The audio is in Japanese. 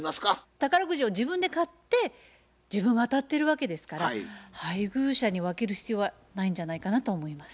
宝くじを自分で買って自分が当たってるわけですから配偶者に分ける必要はないんじゃないかなと思います。